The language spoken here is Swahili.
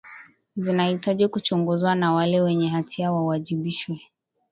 zinahitaji kuchunguzwa na wale wenye hatia wawajibishwe